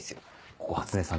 ここ初音さん